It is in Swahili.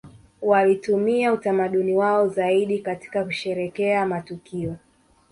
Walitumia utamaduni wao zaidi katika kusherehekea matukio